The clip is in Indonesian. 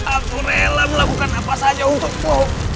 aku rela melakukan apa saja untukmu